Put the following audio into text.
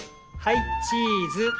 はいチーズ！